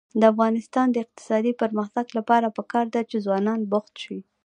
د افغانستان د اقتصادي پرمختګ لپاره پکار ده چې ځوانان بوخت شي.